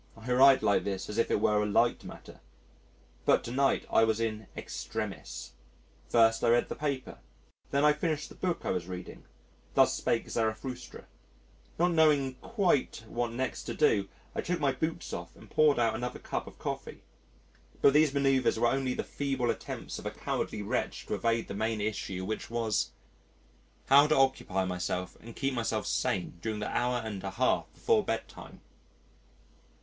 I write like this as if it were a light matter. But to night I was in extremis.... First I read the paper; then I finished the book I was reading "Thus Spake Zarathustra." Not knowing quite what next to do, I took my boots off and poured out another cup of coffee. But these manœuvres were only the feeble attempts of a cowardly wretch to evade the main issue which was: How to occupy myself and keep myself sane during the hour and a half before bedtime.